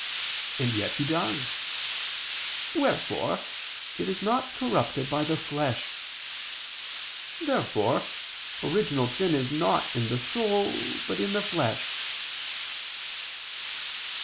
And yet He does; wherefore it is not corrupted by the flesh. Therefore original sin is not in the soul but in the flesh.